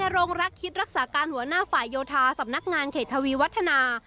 ในโรงรักคิดรักษาการหัวหน้าฝ่ายโยทาสำนักงานเผยเทวดา